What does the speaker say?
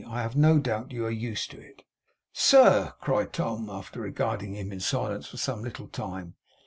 I have no doubt you are used to it.' 'Sir!' cried Tom, after regarding him in silence for some little time.